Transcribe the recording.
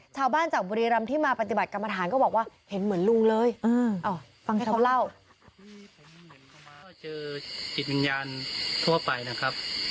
ชาวบ้านจากบุรีรรมที่มาปฏิบัติกรรมฐานก็บอกว่า